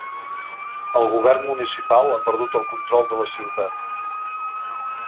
El govern municipal ha perdut el control de la ciutat.